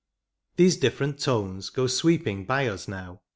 These different tones go sweeping by us now.